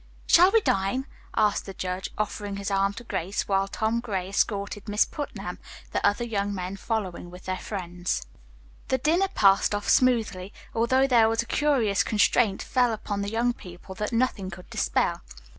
"Shall we dine!" asked the judge, offering his arm to Grace, while Tom Gray escorted Miss Putnam, the other young men following with their friends. The dinner passed off smoothly, although there was a curious constraint fell upon the young people that nothing could dispel.